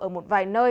ở một vài nơi